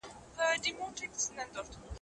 چي خپل ځان یې د خاوند په غېږ کي ورکړ